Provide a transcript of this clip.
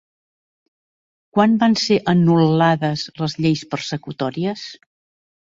Quan van ser anul·lades les lleis persecutòries?